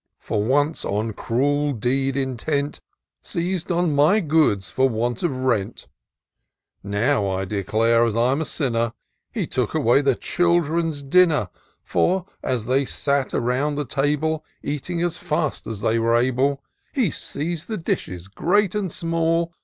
He once, on cruel deed intent, Seiz'd on my goods for want of rent; Nay, I declare, as I'm a sinner, He took away the children's dinner : For, as they sat around the table. Eating as fast as they were able. He seiz'd the dishes, great and small.